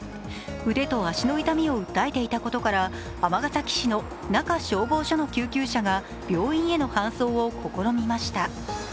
腕と足の痛みを訴えていたことから尼崎市の中消防署の救急車が病院への搬送を試みました。